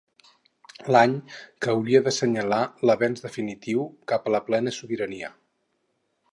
L'any que hauria d'assenyalar l'avenç definitiu cap a la plena sobirania.